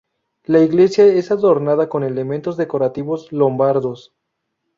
La iglesia es adornada con elementos decorativos lombardos.